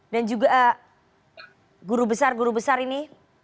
dan juga guru besar guru besar ini